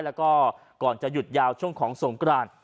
แล้วก็ก่อนจะหยุดยาวช่วงของสงกราน